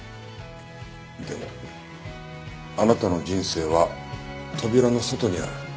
でもあなたの人生は扉の外にある。